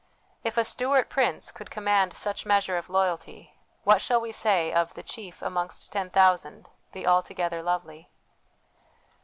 If a Stuart prince could command such measure of loyalty, what shall we say of " the Chief amongst ten thousand, the altogether lovely